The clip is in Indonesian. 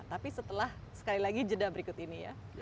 tapi setelah sekali lagi jeda berikut ini ya